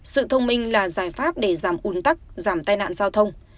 sự thông minh là giải pháp để giảm un tắc giảm tai nạn giao thông